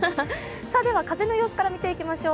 風の様子から見ていきましょう。